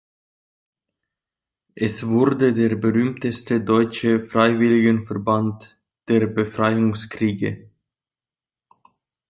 Es wurde der berühmteste deutsche Freiwilligenverband der Befreiungskriege.